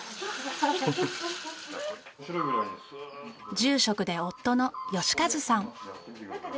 住職で夫の義一さん。